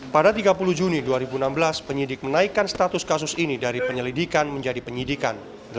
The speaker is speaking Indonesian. pada tiga puluh juni dua ribu enam belas penyidik menaikkan status kasus ini dari penyelidikan menjadi penyidikan